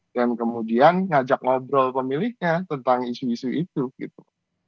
dan kemudian ngajak ngobrol pemilihnya tentang isu isu itu gitu